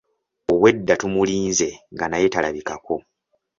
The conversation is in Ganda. Obwedda tumulize nga naye talabikako.